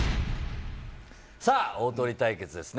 さあ、大トリ対決ですね。